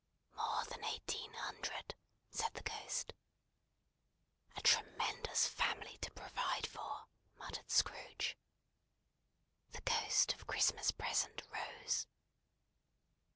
"More than eighteen hundred," said the Ghost. "A tremendous family to provide for!" muttered Scrooge. The Ghost of Christmas Present rose.